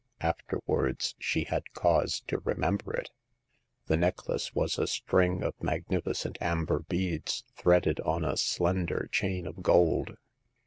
Afterwards sho had cause to remember it. The Second Customer. 63 The necklace was a string of magnificent amber beads threaded on a slender chain of gold.